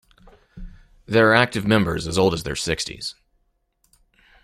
There are active members as old as their sixties.